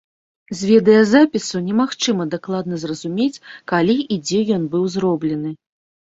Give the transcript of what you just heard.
З відэазапісу немагчыма дакладна зразумець, калі і дзе ён быў зроблены.